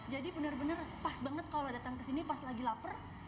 jadi benar benar pas banget kalau datang ke sini pas lagi lapar